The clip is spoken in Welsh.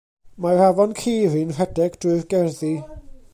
Mae'r Afon Ceri'n rhedeg drwy'r gerddi.